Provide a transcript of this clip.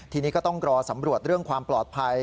ทีนี้ก็ต้องรอสำรวจเรื่องความปลอดภัย